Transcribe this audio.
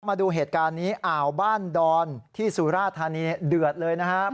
มาดูเหตุการณ์นี้อ่าวบ้านดอนที่สุราธานีเดือดเลยนะครับ